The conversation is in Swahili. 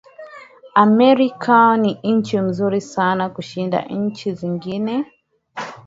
Amerika ni nchi nzuri sana kushinda nchi zingine